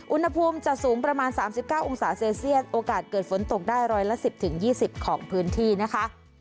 อุณหภูมิจะสูงประมาณ๓๙องศาเซลเซียสโอกาสเกิดฝนตกได้ร้อยละ๑๐๒๐ของพื้นที่นะคะ